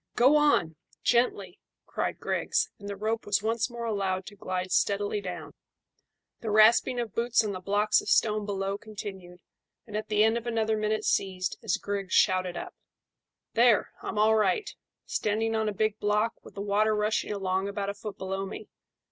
"Go on! Gently!" cried Griggs, and the rope was once more allowed to glide steadily down; the rasping of boots on the blocks of stone below continued, and at the end of another minute ceased as Griggs shouted up "There, I'm all right standing on a big block with the water rushing along about a foot below me.